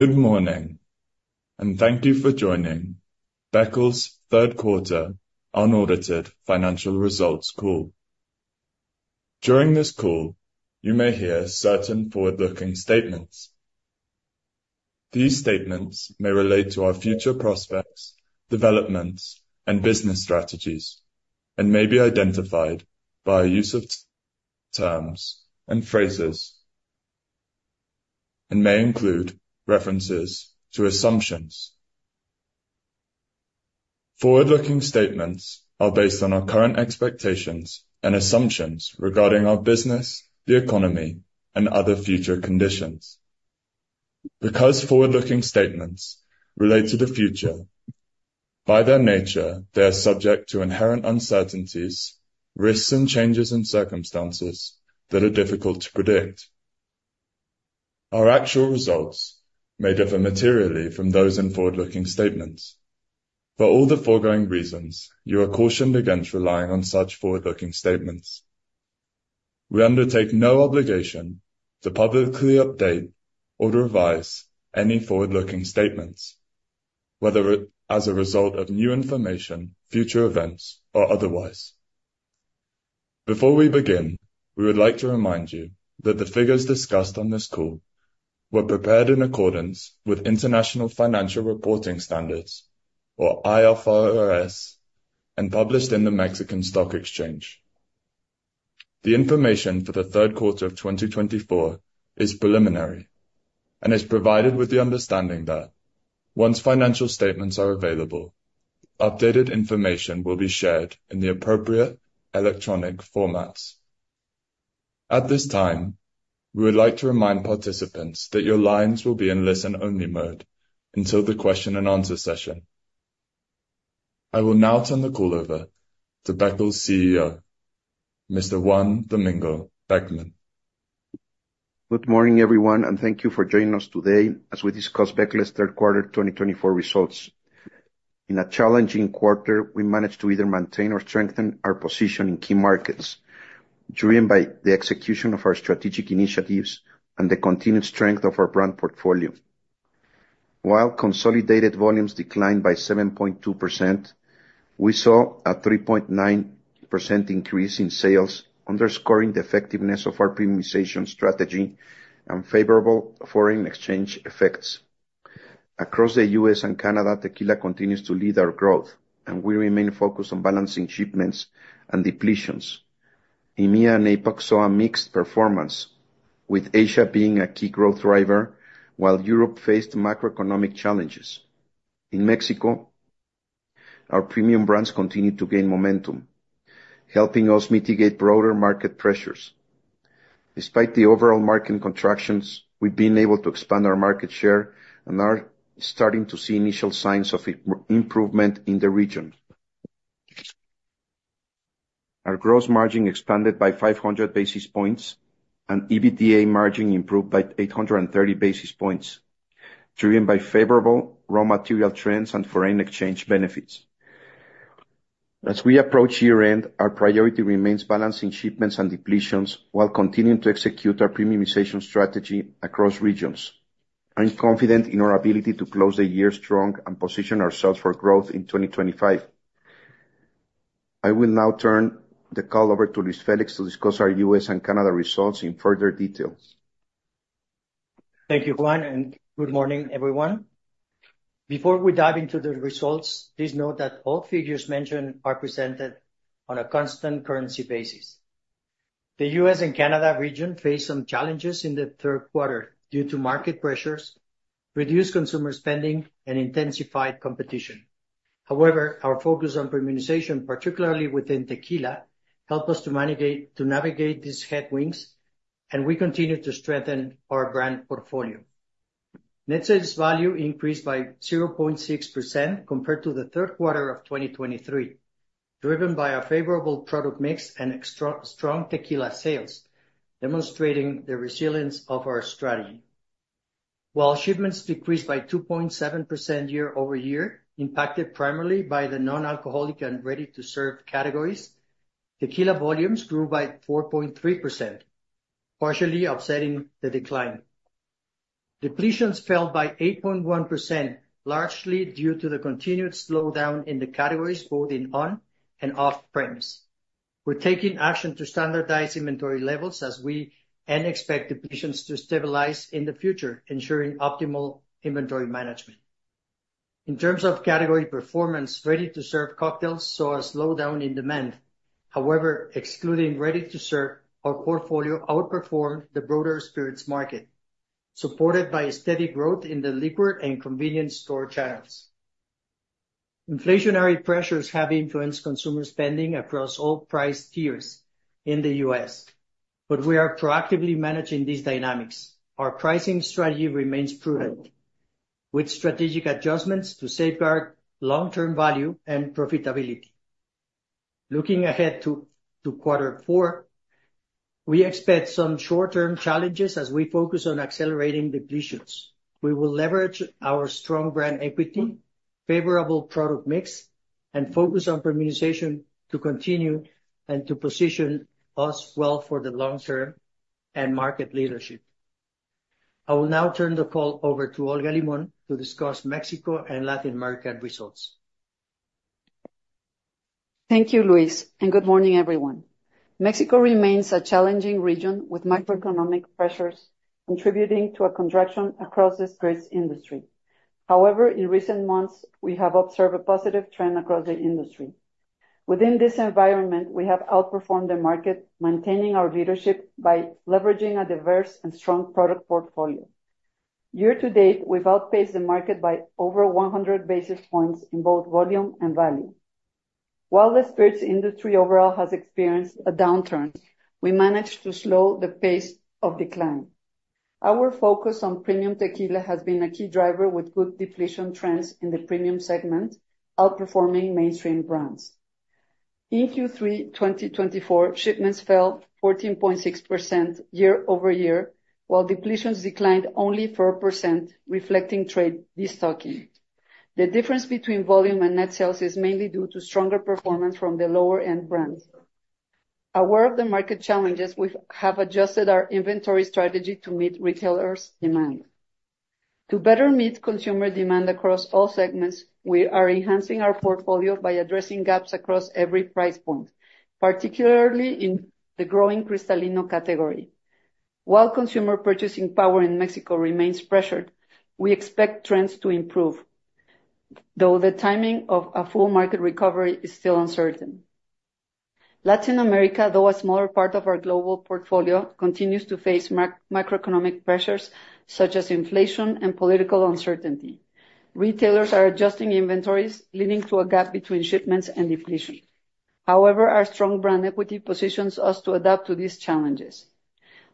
Good morning, and thank you for joining Becle's third quarter unaudited financial results call. During this call, you may hear certain forward-looking statements. These statements may relate to our future prospects, developments, and business strategies, and may be identified by use of terms and phrases, and may include references to assumptions. Forward-looking statements are based on our current expectations and assumptions regarding our business, the economy, and other future conditions. Because forward-looking statements relate to the future, by their nature, they are subject to inherent uncertainties, risks, and changes in circumstances that are difficult to predict. Our actual results may differ materially from those in forward-looking statements. For all the foregoing reasons, you are cautioned against relying on such forward-looking statements. We undertake no obligation to publicly update or revise any forward-looking statements, whether it... as a result of new information, future events, or otherwise. Before we begin, we would like to remind you that the figures discussed on this call were prepared in accordance with International Financial Reporting Standards, or IFRS, and published in the Mexican Stock Exchange. The information for the third quarter of 2024 is preliminary and is provided with the understanding that once financial statements are available, updated information will be shared in the appropriate electronic formats. At this time, we would like to remind participants that your lines will be in listen-only mode until the question and answer session. I will now turn the call over to Becle's CEO, Mr. Juan Domingo Beckmann. Good morning, everyone, and thank you for joining us today as we discuss Becle's third quarter 2024 results. In a challenging quarter, we managed to either maintain or strengthen our position in key markets, driven by the execution of our strategic initiatives and the continued strength of our brand portfolio. While consolidated volumes declined by 7.2%, we saw a 3.9% increase in sales, underscoring the effectiveness of our premiumization strategy and favorable foreign exchange effects. Across the U.S. and Canada, tequila continues to lead our growth, and we remain focused on balancing shipments and depletions. EMEA and APAC saw a mixed performance, with Asia being a key growth driver, while Europe faced macroeconomic challenges. In Mexico, our premium brands continued to gain momentum, helping us mitigate broader market pressures. Despite the overall market contractions, we've been able to expand our market share and are starting to see initial signs of improvement in the region. Our gross margin expanded by 500 basis points, and EBITDA margin improved by 836 basis points, driven by favorable raw material trends and foreign exchange benefits. As we approach year-end, our priority remains balancing shipments and depletions while continuing to execute our premiumization strategy across regions. I'm confident in our ability to close the year strong and position ourselves for growth in 2025. I will now turn the call over to Luis Félix to discuss our U.S. and Canada results in further details. Thank you, Juan, and good morning, everyone. Before we dive into the results, please note that all figures mentioned are presented on a constant currency basis. The U.S. and Canada region faced some challenges in the third quarter due to market pressures, reduced consumer spending, and intensified competition. However, our focus on premiumization, particularly within tequila, helped us to navigate these headwinds, and we continue to strengthen our brand portfolio. Net sales value increased by 0.6% compared to the third quarter of 2023, driven by a favorable product mix and extra strong tequila sales, demonstrating the resilience of our strategy. While shipments decreased by 2.7% year-over-year, impacted primarily by the non-alcoholic and ready-to-serve categories, tequila volumes grew by 4.3%, partially offsetting the decline. Depletions fell by 8.1%, largely due to the continued slowdown in the categories, both in on- and off-premise. We're taking action to standardize inventory levels and expect depletions to stabilize in the future, ensuring optimal inventory management. In terms of category performance, ready-to-serve cocktails saw a slowdown in demand. However, excluding ready-to-serve, our portfolio outperformed the broader spirits market, supported by a steady growth in the liquor and convenience store channels. Inflationary pressures have influenced consumer spending across all price tiers in the U.S., but we are proactively managing these dynamics. Our pricing strategy remains prudent, with strategic adjustments to safeguard long-term value and profitability. Looking ahead to quarter four, we expect some short-term challenges as we focus on accelerating depletions. We will leverage our strong brand equity. ...favorable product mix, and focus on premiumization to continue and to position us well for the long term and market leadership. I will now turn the call over to Olga Limón to discuss Mexico and Latin American results. Thank you, Luis, and good morning, everyone. Mexico remains a challenging region, with macroeconomic pressures contributing to a contraction across the spirits industry. However, in recent months, we have observed a positive trend across the industry. Within this environment, we have outperformed the market, maintaining our leadership by leveraging a diverse and strong product portfolio. Year to date, we've outpaced the market by over 100 basis points in both volume and value. While the spirits industry overall has experienced a downturn, we managed to slow the pace of decline. Our focus on premium tequila has been a key driver, with good depletion trends in the premium segment, outperforming mainstream brands. In Q3 2024, shipments fell 14.6% year-over-year, while depletions declined only 4%, reflecting trade destocking. The difference between volume and net sales is mainly due to stronger performance from the lower-end brands. Aware of the market challenges, we have adjusted our inventory strategy to meet retailers' demand. To better meet consumer demand across all segments, we are enhancing our portfolio by addressing gaps across every price point, particularly in the growing Cristalino category. While consumer purchasing power in Mexico remains pressured, we expect trends to improve, though the timing of a full market recovery is still uncertain. Latin America, though a smaller part of our global portfolio, continues to face macroeconomic pressures, such as inflation and political uncertainty. Retailers are adjusting inventories, leading to a gap between shipments and depletions. However, our strong brand equity positions us to adapt to these challenges.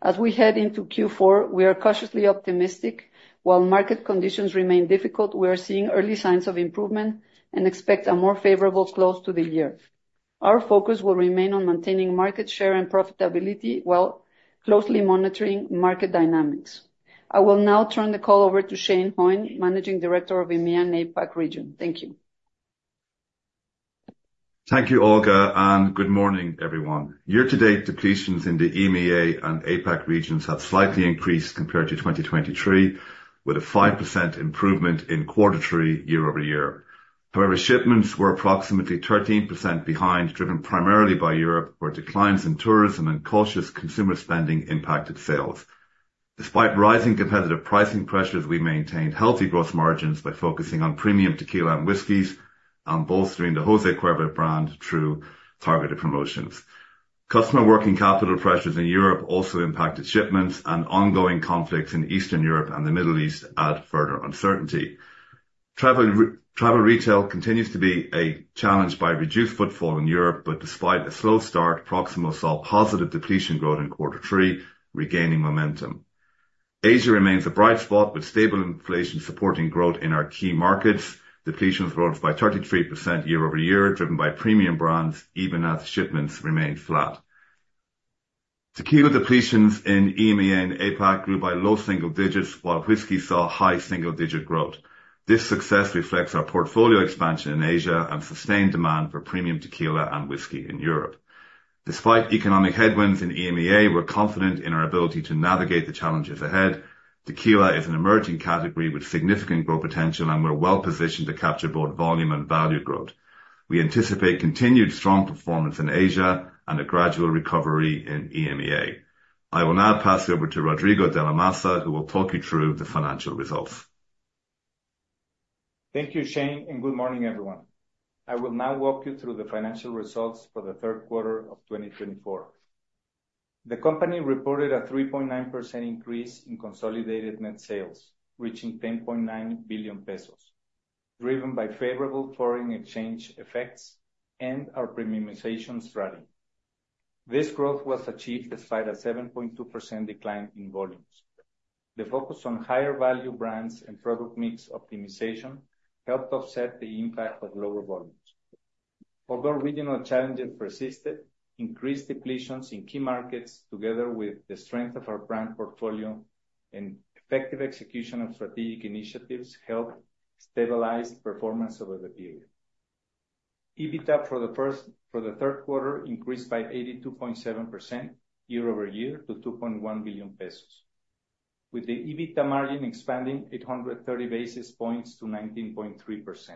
As we head into Q4, we are cautiously optimistic. While market conditions remain difficult, we are seeing early signs of improvement and expect a more favorable close to the year. Our focus will remain on maintaining market share and profitability, while closely monitoring market dynamics. I will now turn the call over to Shane Hoyne, Managing Director of EMEA and APAC region. Thank you. Thank you, Olga, and good morning, everyone. Year to date depletions in the EMEA and APAC regions have slightly increased compared to 2023, with a 5% improvement in quarter three year-over-year. However, shipments were approximately 13% behind, driven primarily by Europe, where declines in tourism and cautious consumer spending impacted sales. Despite rising competitive pricing pressures, we maintained healthy growth margins by focusing on premium tequila and whiskeys and bolstering the José Cuervo brand through targeted promotions. Customer working capital pressures in Europe also impacted shipments, and ongoing conflicts in Eastern Europe and the Middle East add further uncertainty. Travel retail continues to be a challenge by reduced footfall in Europe, but despite a slow start, Proximo saw positive depletion growth in quarter three, regaining momentum. Asia remains a bright spot, with stable inflation supporting growth in our key markets. Depletions rose by 33% year-over-year, driven by premium brands, even as shipments remained flat. Tequila depletions in EMEA and APAC grew by low single digits, while whiskey saw high single-digit growth. This success reflects our portfolio expansion in Asia and sustained demand for premium tequila and whiskey in Europe. Despite economic headwinds in EMEA, we're confident in our ability to navigate the challenges ahead. Tequila is an emerging category with significant growth potential, and we're well positioned to capture both volume and value growth. We anticipate continued strong performance in Asia and a gradual recovery in EMEA. I will now pass you over to Rodrigo de la Maza, who will talk you through the financial results. Thank you, Shane, and good morning, everyone. I will now walk you through the financial results for the third quarter of 2024. The company reported a 3.9% increase in consolidated net sales, reaching 10.9 billion pesos, driven by favorable foreign exchange effects and our premiumization strategy. This growth was achieved despite a 7.2% decline in volumes. The focus on higher-value brands and product mix optimization helped offset the impact of lower volumes. Although regional challenges persisted, increased depletions in key markets, together with the strength of our brand portfolio and effective execution of strategic initiatives, helped stabilize performance over the period. EBITDA for the third quarter increased by 82.7% year-over-year to 2.1 billion pesos, with the EBITDA margin expanding 830 basis points to 19.3%.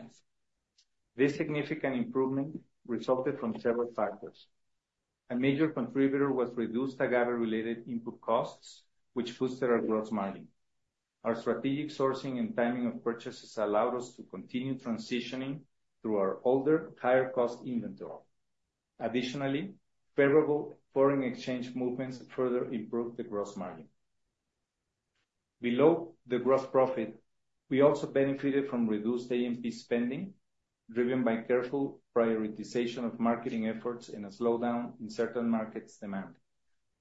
This significant improvement resulted from several factors. A major contributor was reduced agave-related input costs, which boosted our gross margin. Our strategic sourcing and timing of purchases allowed us to continue transitioning through our older, higher-cost inventory. Additionally, favorable foreign exchange movements further improved the gross margin. Below the gross profit, we also benefited from reduced A&P spending, driven by careful prioritization of marketing efforts and a slowdown in certain markets' demand,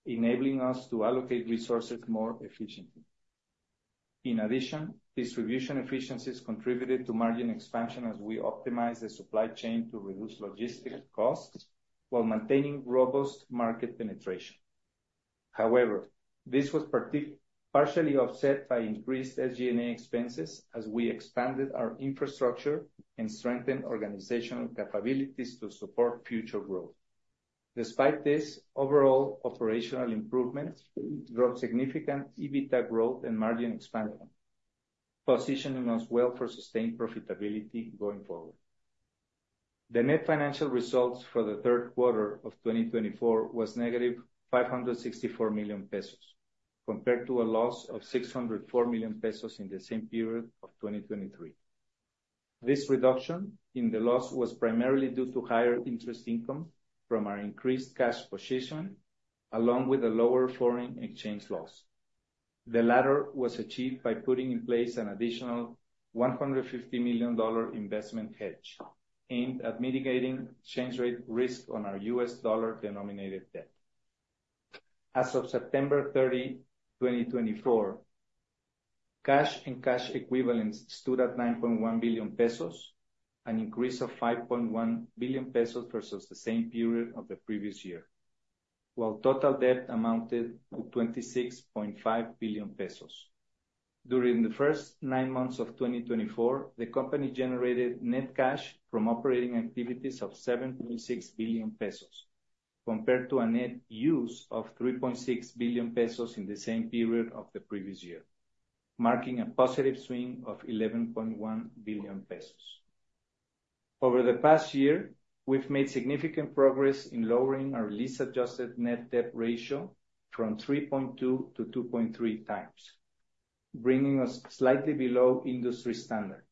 enabling us to allocate resources more efficiently. In addition, distribution efficiencies contributed to margin expansion as we optimized the supply chain to reduce logistics costs while maintaining robust market penetration. However, this was partially offset by increased SG&A expenses as we expanded our infrastructure and strengthened organizational capabilities to support future growth. Despite this, overall operational improvements drove significant EBITDA growth and margin expansion, positioning us well for sustained profitability going forward. The net financial results for the third quarter of 2024 was negative 564 million pesos, compared to a loss of 604 million pesos in the same period of 2023. This reduction in the loss was primarily due to higher interest income from our increased cash position, along with a lower foreign exchange loss. The latter was achieved by putting in place an additional $150 million investment hedge, aimed at mitigating exchange rate risk on our U.S. dollar-denominated debt. As of September 30, 2024, cash and cash equivalents stood at 9.1 billion pesos, an increase of 5.1 billion pesos versus the same period of the previous year, while total debt amounted to 26.5 billion pesos. During the first nine months of 2024, the company generated net cash from operating activities of 7.6 billion pesos, compared to a net use of 3.6 billion pesos in the same period of the previous year, marking a positive swing of 11.1 billion pesos. Over the past year, we've made significant progress in lowering our lease-adjusted net debt ratio from 3.2 to 2.3 times, bringing us slightly below industry standard.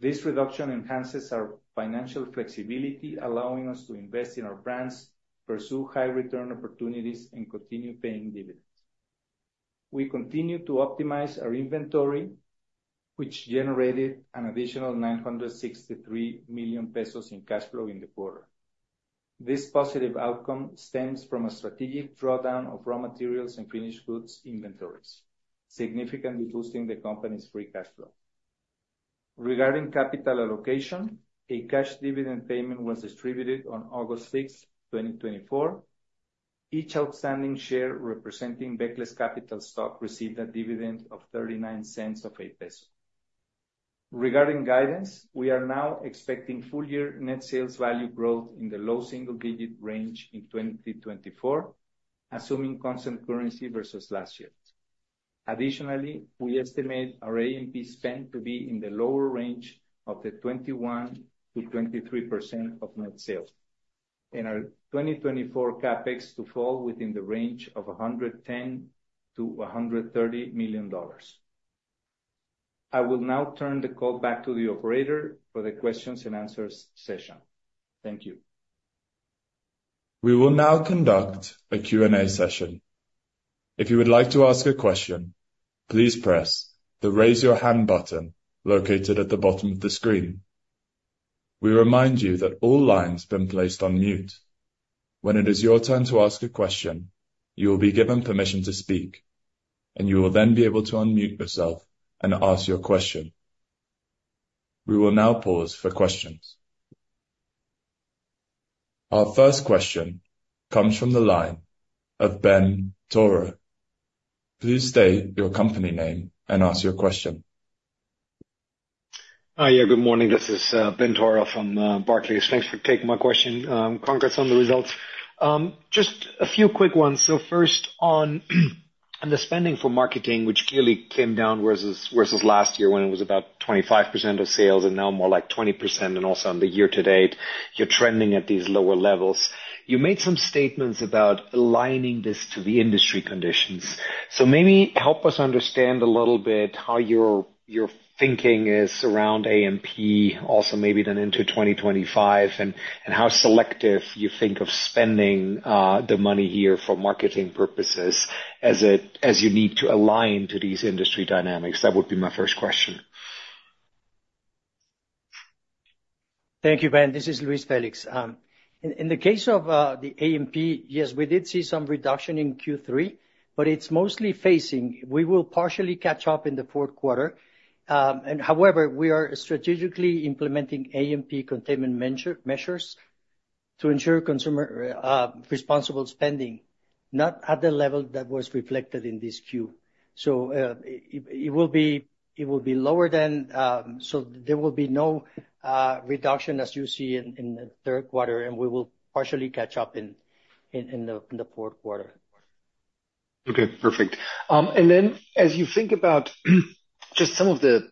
This reduction enhances our financial flexibility, allowing us to invest in our brands, pursue high return opportunities, and continue paying dividends. We continue to optimize our inventory, which generated an additional 963 million pesos in cash flow in the quarter. This positive outcome stems from a strategic drawdown of raw materials and finished goods inventories, significantly boosting the company's free cash flow. Regarding capital allocation, a cash dividend payment was distributed on August 6th, 2024. Each outstanding share representing Becle's capital stock received a dividend of 0.39. Regarding guidance, we are now expecting full year net sales value growth in the low single digit range in 2024, assuming constant currency versus last year. Additionally, we estimate our A&P spend to be in the lower range of the 21%-23% of net sales, and our 2024 CapEx to fall within the range of $110-$130 million. I will now turn the call back to the operator for the questions and answers session. Thank you. We will now conduct a Q&A session. If you would like to ask a question, please press the raise your hand button located at the bottom of the screen. We remind you that all lines have been placed on mute. When it is your turn to ask a question, you will be given permission to speak, and you will then be able to unmute yourself and ask your question. We will now pause for questions. Our first question comes from the line of Ben Theurer. Please state your company name and ask your question. Yeah, good morning. This is Ben Theurer from Barclays. Thanks for taking my question. Congrats on the results. Just a few quick ones. So first on the spending for marketing, which clearly came down versus last year when it was about 25% of sales and now more like 20%, and also on the year to date, you're trending at these lower levels. You made some statements about aligning this to the industry conditions. So maybe help us understand a little bit how your thinking is around A&P, also maybe then into 2025, and how selective you think of spending the money here for marketing purposes as you need to align to these industry dynamics. That would be my first question. Thank you, Ben. This is Luis Félix. In the case of the A&P, yes, we did see some reduction in Q3, but it's mostly phasing. We will partially catch up in the fourth quarter, and however, we are strategically implementing A&P containment measures to ensure consumer responsible spending, not at the level that was reflected in this Q3. So, it will be lower than... So there will be no reduction, as you see in the third quarter, and we will partially catch up in the fourth quarter. Okay, perfect. And then as you think about just some of the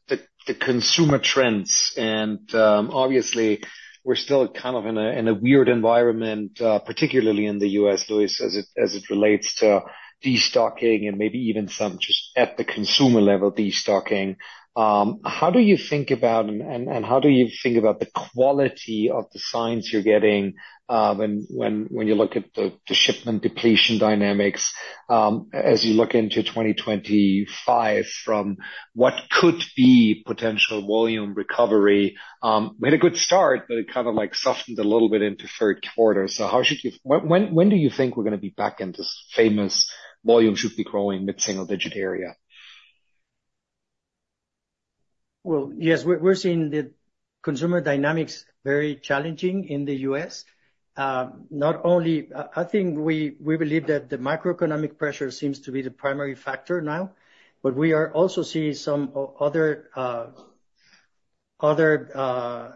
consumer trends, and obviously, we're still kind of in a weird environment, particularly in the U.S., Luis, as it relates to destocking and maybe even some just at the consumer level, destocking. How do you think about, and how do you think about the quality of the signs you're getting, when you look at the shipment depletion dynamics, as you look into 2025 from what could be potential volume recovery? We had a good start, but it kind of, like, softened a little bit into third quarter. So how should you. When do you think we're gonna be back in this famous volume should be growing mid-single digit area? Yes, we're seeing the consumer dynamics very challenging in the US. Not only, I think we believe that the macroeconomic pressure seems to be the primary factor now, but we are also seeing some other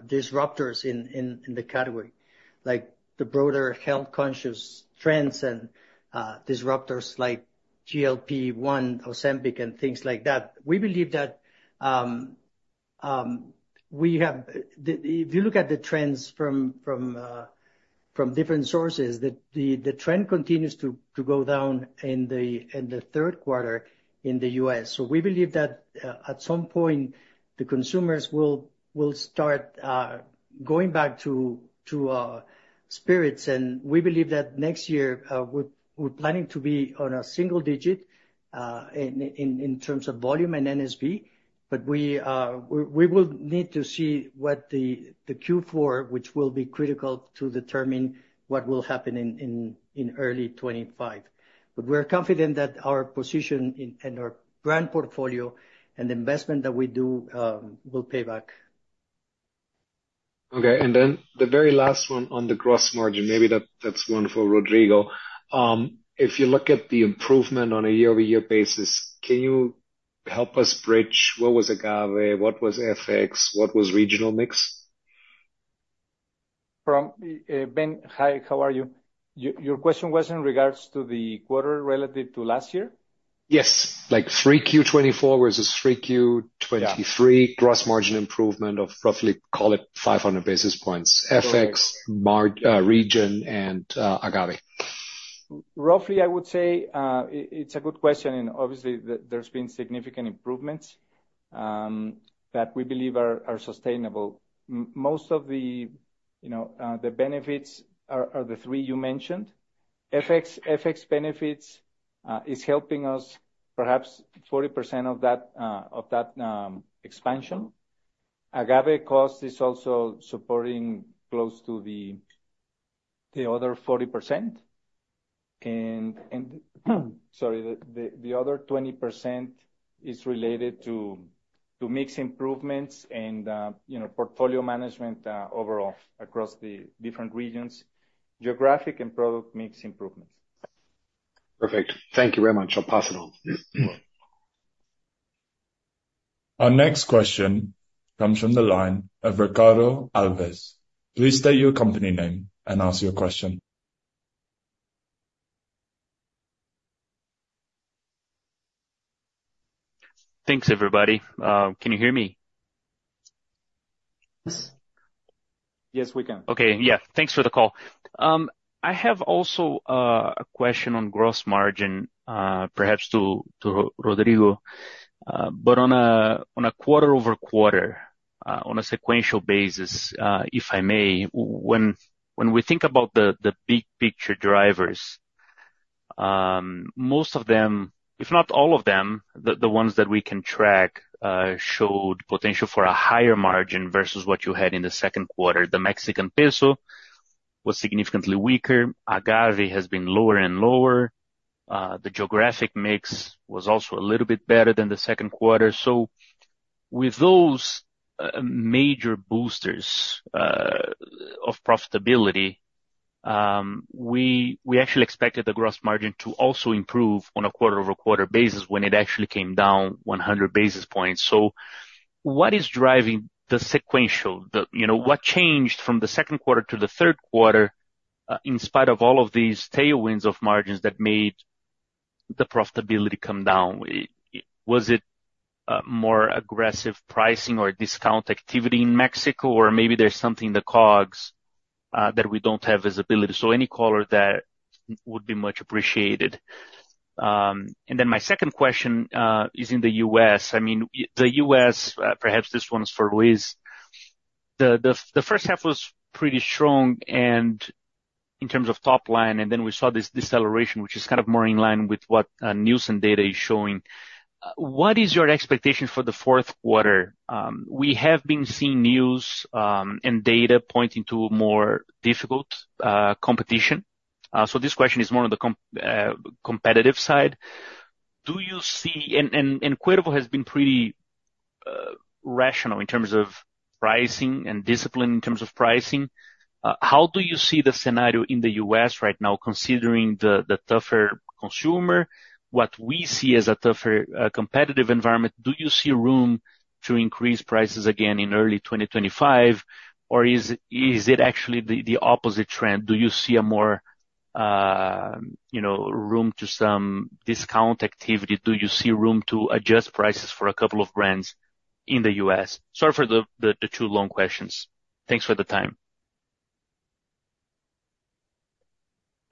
disruptors in the category, like the broader health-conscious trends and disruptors like GLP-1, Ozempic, and things like that. We believe that if you look at the trends from different sources, the trend continues to go down in the third quarter in the US. So we believe that at some point, the consumers will start going back to spirits. We believe that next year, we're planning to be on a single digit in terms of volume and NSV, but we will need to see what the Q4, which will be critical to determine what will happen in early 2025. But we're confident that our positioning and our brand portfolio and investment that we do will pay back. Okay, and then the very last one on the gross margin, maybe that's one for Rodrigo. If you look at the improvement on a year-over-year basis, can you help us bridge what was agave, what was FX, what was regional mix? From Ben, hi, how are you? Your question was in regards to the quarter relative to last year? Yes. Like, 3Q 2024 versus 3Q 2023 Yeah. Gross margin improvement of roughly, call it, five hundred basis points. FX, marg, region, and agave. Roughly, I would say, it's a good question, and obviously, there's been significant improvements that we believe are sustainable. Most of the, you know, the benefits are the three you mentioned. FX benefits is helping us perhaps 40% of that expansion. Agave cost is also supporting close to the other 40%. And, sorry, the other 20% is related to mix improvements and, you know, portfolio management overall across the different regions. Geographic and product mix improvements. Perfect. Thank you very much. I'll pass it on. Our next question comes from the line of Ricardo Alves. Please state your company name and ask your question. Thanks, everybody. Can you hear me? Yes. Yes, we can. Okay. Yeah, thanks for the call. I have also a question on gross margin, perhaps to Rodrigo. But on a quarter-over-quarter, on a sequential basis, if I may, when we think about the big picture drivers, most of them, if not all of them, the ones that we can track, showed potential for a higher margin versus what you had in the second quarter. The Mexican peso was significantly weaker. Agave has been lower and lower. The geographic mix was also a little bit better than the second quarter. So with those major boosters of profitability, we actually expected the gross margin to also improve on a quarter-over-quarter basis when it actually came down one hundred basis points. So what is driving the sequential? The... You know, what changed from the second quarter to the third quarter in spite of all of these tailwinds of margins that made the profitability come down? Was it more aggressive pricing or discount activity in Mexico, or maybe there's something in the COGS that we don't have visibility. So any color there would be much appreciated. And then my second question is in the U.S.. I mean, the US, perhaps this one is for Luis. The first half was pretty strong and in terms of top line, and then we saw this deceleration, which is kind of more in line with what news and data is showing. What is your expectation for the fourth quarter? We have been seeing news and data pointing to a more difficult competition. So this question is more on the competitive side. Do you see and Cuervo has been pretty rational in terms of pricing and discipline in terms of pricing. How do you see the scenario in the U.S. right now, considering the tougher consumer? What we see as a tougher competitive environment, do you see room to increase prices again in early 2025, or is it actually the opposite trend? Do you see a more, you know, room to some discount activity? Do you see room to adjust prices for a couple of brands in the US? Sorry for the two long questions. Thanks for the time.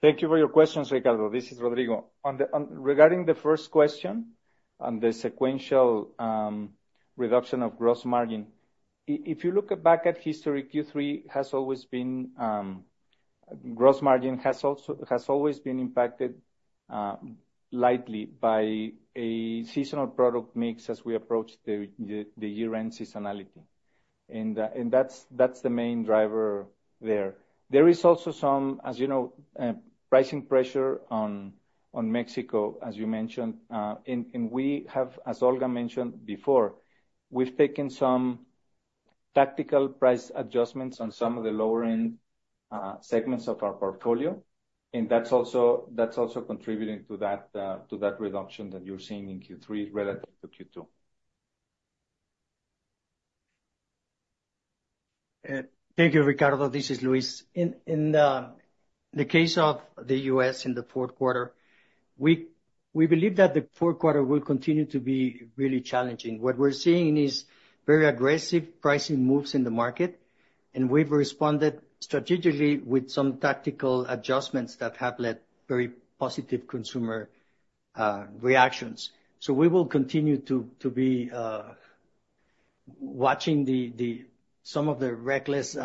Thank you for your questions, Ricardo. This is Rodrigo. Regarding the first question, on the sequential reduction of gross margin, if you look back at history, Q3 has always been gross margin has also always been impacted lightly by a seasonal product mix as we approach the year-end seasonality and that's the main driver there. There is also some, as you know, pricing pressure on Mexico, as you mentioned, and we have, as Olga mentioned before, we've taken some tactical price adjustments on some of the lower-end segments of our portfolio, and that's also contributing to that reduction that you're seeing in Q3 relative to Q2. Thank you, Ricardo. This is Luis. In the case of the US in the fourth quarter, we believe that the fourth quarter will continue to be really challenging. What we're seeing is very aggressive pricing moves in the market, and we've responded strategically with some tactical adjustments that have led very positive consumer reactions. So we will continue to be watching some of the reckless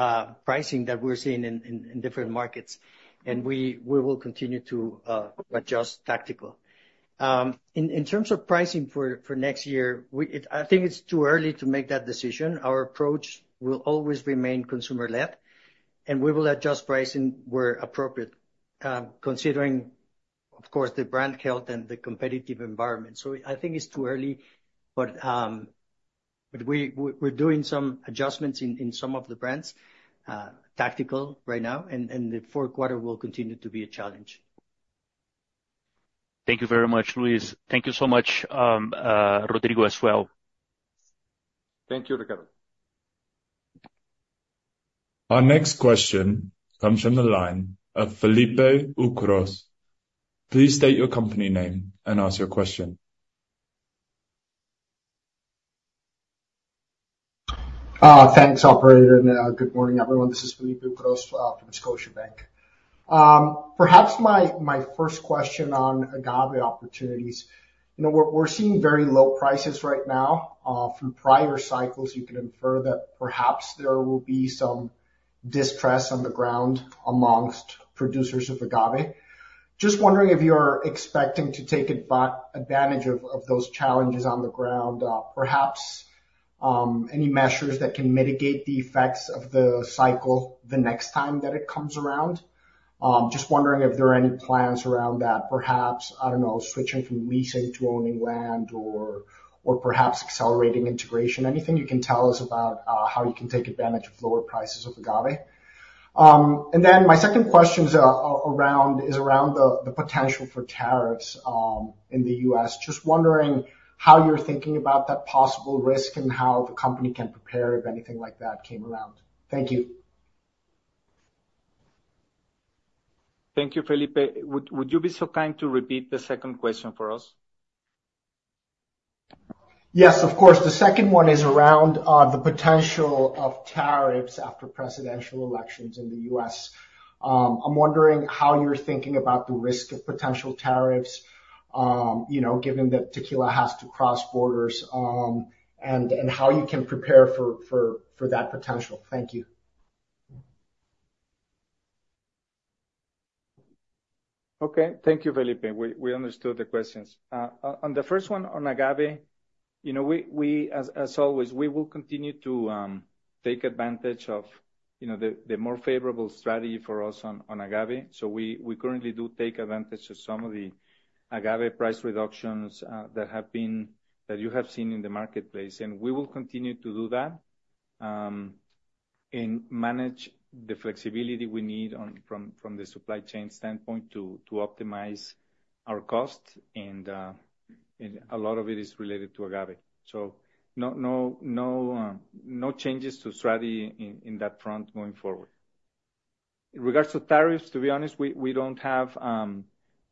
pricing that we're seeing in different markets, and we will continue to adjust tactical. In terms of pricing for next year, we-- I think it's too early to make that decision. Our approach will always remain consumer-led, and we will adjust pricing where appropriate, considering, of course, the brand health and the competitive environment. So I think it's too early, but we're doing some adjustments in some of the brands, tactical right now, and the fourth quarter will continue to be a challenge. Thank you very much, Luis. Thank you so much, Rodrigo, as well. Thank you, Ricardo. Our next question comes from the line of Felipe Ucros. Please state your company name and ask your question. Thanks, operator, and good morning, everyone. This is Felipe Ucros from Scotiabank. Perhaps my first question on agave opportunities. You know, we're seeing very low prices right now. From prior cycles, you could infer that perhaps there will be some distress on the ground amongst producers of agave. Just wondering if you're expecting to take advantage of those challenges on the ground, perhaps any measures that can mitigate the effects of the cycle the next time that it comes around? Just wondering if there are any plans around that, perhaps, I don't know, switching from leasing to owning land or perhaps accelerating integration. Anything you can tell us about how you can take advantage of lower prices of agave? And then my second question is around the potential for tariffs in the U.S. Just wondering how you're thinking about that possible risk and how the company can prepare if anything like that came around. Thank you. Thank you, Felipe. Would you be so kind to repeat the second question for us? Yes, of course. The second one is around the potential of tariffs after presidential elections in the U.S. I'm wondering how you're thinking about the risk of potential tariffs, you know, given that tequila has to cross borders, and how you can prepare for that potential. Thank you. Okay. Thank you, Felipe. We understood the questions. On the first one, on agave, you know, we, as always, we will continue to take advantage of, you know, the more favorable strategy for us on agave. So we currently do take advantage of some of the agave price reductions that have been that you have seen in the marketplace, and we will continue to do that and manage the flexibility we need from the supply chain standpoint to optimize our costs, and a lot of it is related to agave. So no changes to strategy in that front going forward. In regards to tariffs, to be honest, we don't have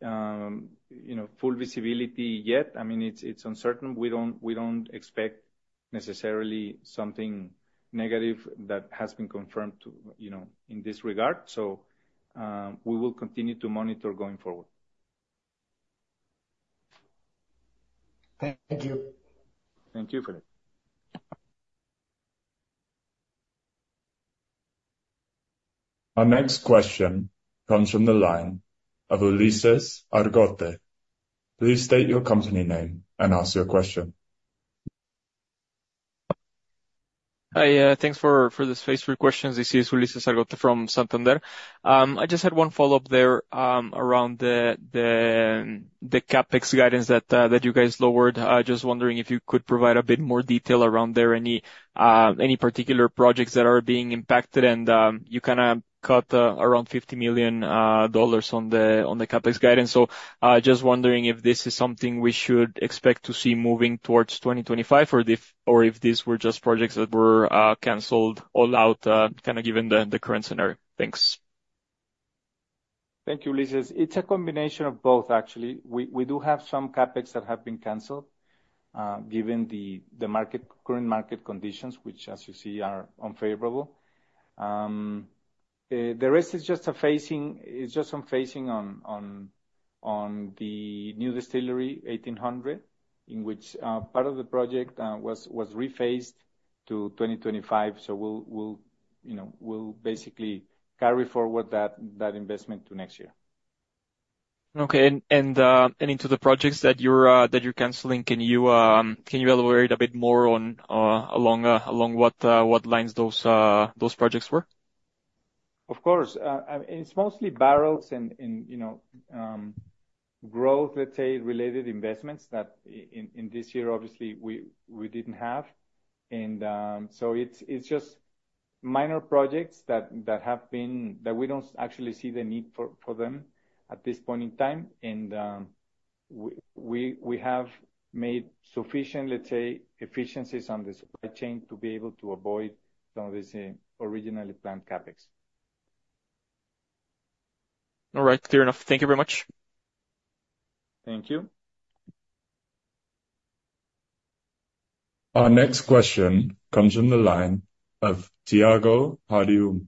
you know, full visibility yet. I mean, it's uncertain. We don't expect necessarily something negative that has been confirmed to, you know, in this regard, so we will continue to monitor going forward. Thank you. Thank you, Felipe. Our next question comes from the line of Ulises Argote. Please state your company name and ask your question. Hi, thanks for the space for questions. This is Ulises Argote from Santander. I just had one follow-up there, around the CapEx guidance that you guys lowered. Just wondering if you could provide a bit more detail around there, any particular projects that are being impacted? And, you kinda cut around $50 million on the CapEx guidance. So, just wondering if this is something we should expect to see moving towards 2025, or if these were just projects that were canceled all out, kind of given the current scenario. Thanks. Thank you, Ulises. It's a combination of both, actually. We do have some CapEx that have been canceled, given the current market conditions, which, as you see, are unfavorable. The rest is just some phasing on the new Distillery 1800, in which part of the project was rephased to 2025. So we'll, you know, we'll basically carry forward that investment to next year.... Okay, and into the projects that you're canceling, can you elaborate a bit more on, along what lines those projects were? Of course. It's mostly barrels and you know, growth, let's say, related investments that in this year, obviously, we didn't have. So it's just minor projects that we don't actually see the need for them at this point in time. We have made sufficient, let's say, efficiencies on the supply chain to be able to avoid some of the originally planned CapEx. All right. Clear enough. Thank you very much. Thank you. Our next question comes from the line of Thiago Bortoluci.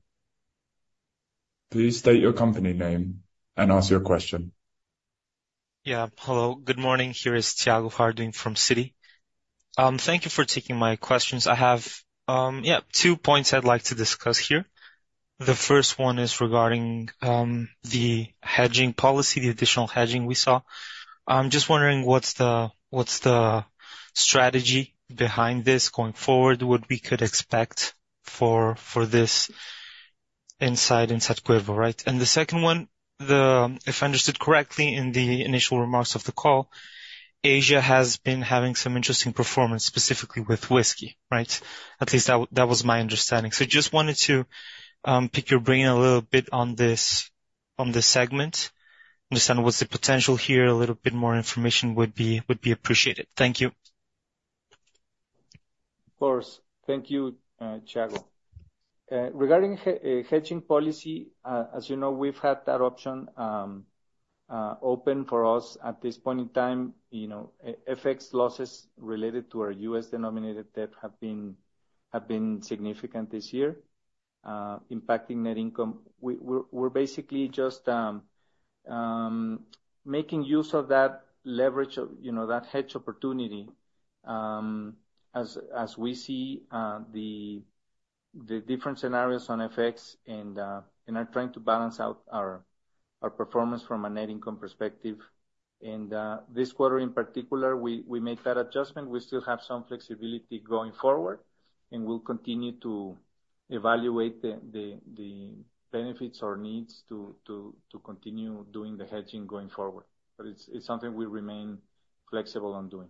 Please state your company name and ask your question. Yeah. Hello, good morning. Here is Thiago Bortoluci from Citi. Thank you for taking my questions. I have, yeah, two points I'd like to discuss here. The first one is regarding the hedging policy, the additional hedging we saw. I'm just wondering what's the strategy behind this going forward? What we could expect for this inside Cuervo, right? And the second one. If I understood correctly, in the initial remarks of the call, Asia has been having some interesting performance, specifically with whiskey, right? At least that was my understanding. So just wanted to pick your brain a little bit on this, on this segment. Understand what's the potential here. A little bit more information would be appreciated. Thank you. Of course. Thank you, Thiago. Regarding hedging policy, as you know, we've had that option open for us at this point in time. You know, FX losses related to our U.S.-denominated debt have been significant this year, impacting net income. We're basically just making use of that leverage of, you know, that hedge opportunity, as we see the different scenarios on FX and are trying to balance out our performance from a net income perspective. And this quarter in particular, we made that adjustment. We still have some flexibility going forward, and we'll continue to evaluate the benefits or needs to continue doing the hedging going forward. But it's something we remain flexible on doing.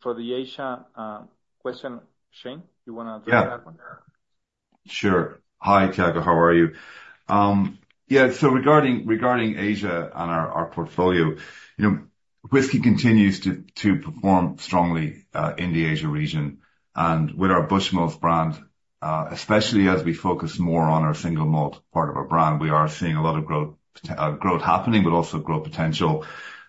For the Asia question, Shane, you wanna address that one? Yeah. Sure. Hi, Thiago, how are you? Yeah, so regarding Asia and our portfolio, you know, whiskey continues to perform strongly in the Asia region. And with our Bushmills brand, especially as we focus more on our single malt part of our brand, we are seeing a lot of growth potential,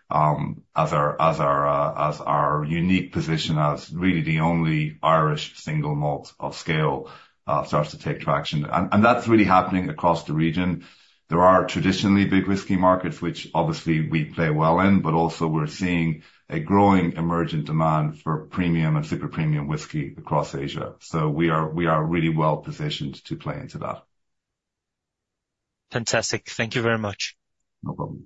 as our unique position as really the only Irish single malt of scale starts to take traction. And that's really happening across the region. There are traditionally big whiskey markets, which obviously we play well in, but also we're seeing a growing emergent demand for premium and super premium whiskey across Asia. So we are really well positioned to play into that. Fantastic. Thank you very much. No problem.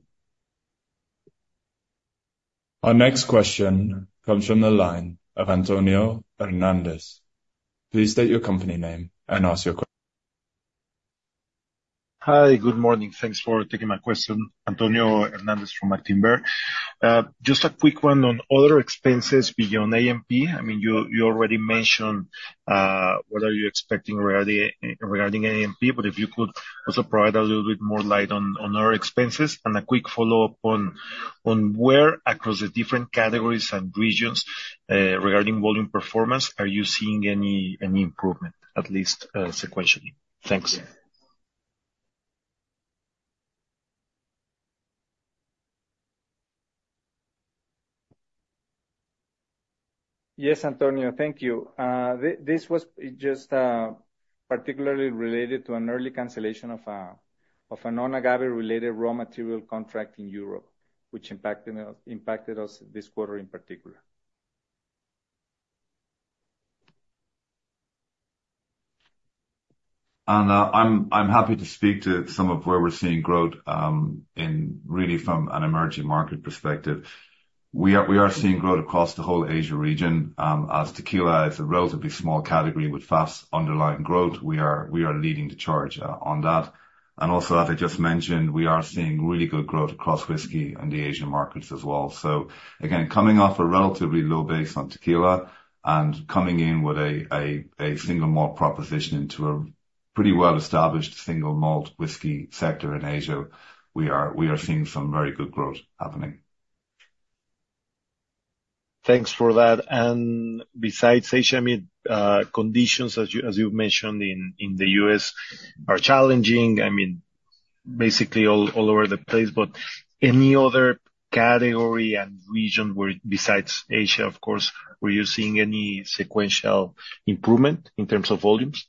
Our next question comes from the line of Antonio Hernandez. Please state your company name and ask your question. Hi, good morning. Thanks for taking my question. Antonio Hernandez from GBM. Just a quick one on other expenses beyond A&P. I mean, you already mentioned what are you expecting regarding A&P, but if you could also provide a little bit more light on other expenses. A quick follow-up on where, across the different categories and regions, regarding volume performance, are you seeing any improvement, at least sequentially? Thanks. Yes, Antonio. Thank you. This was just particularly related to an early cancellation of a non-agave related raw material contract in Europe, which impacted us this quarter in particular. I'm happy to speak to some of where we're seeing growth in really from an emerging market perspective. We are seeing growth across the whole Asia region. As tequila is a relatively small category with fast underlying growth, we are leading the charge on that. And also, as I just mentioned, we are seeing really good growth across whiskey in the Asian markets as well. So again, coming off a relatively low base on tequila and coming in with a single malt proposition into a pretty well-established single malt whiskey sector in Asia, we are seeing some very good growth happening. Thanks for that. Besides Asia, I mean, conditions, as you've mentioned in the U.S., are challenging, I mean, basically all over the place, but any other category and region where, besides Asia, of course, where you're seeing any sequential improvement in terms of volumes?